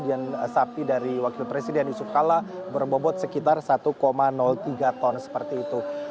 dan sapi dari wakil presiden yusuf kalla berbobot sekitar satu tiga ton seperti itu